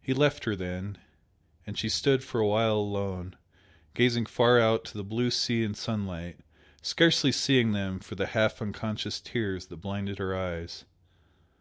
He left her then, and she stood for a while alone, gazing far out to the blue sea and sunlight, scarcely seeing them for the half unconscious tears that blinded her eyes.